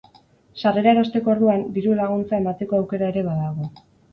Sarrera erosteko orduan, diru-laguntza emateko aukera ere badago.